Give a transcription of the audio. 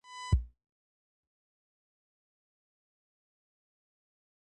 Bị cha la, hấn ngồi mặt la mày lét không dám ngẩng đầu lên